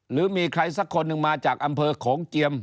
หรือมีใครสักคนหนึ่งมาจากอำเภอโขงเจียม